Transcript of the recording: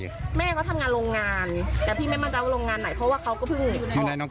คือว่าเขาไม่ได้ออกไปไหนเลย